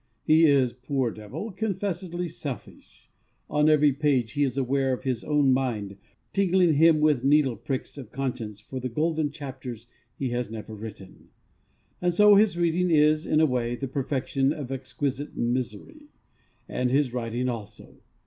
He is (poor devil) confessedly selfish. On every page he is aware of his own mind running with him, tingling him with needle pricks of conscience for the golden chapters he has never written. And so his reading is, in a way, the perfection of exquisite misery and his writing also.